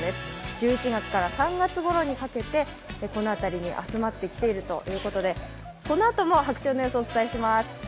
１１月から３月ごろにかけてこの辺りに集まってきているということでこのあとも白鳥の様子をお伝えします。